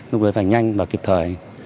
lúc đấy phải nhanh và kịp thời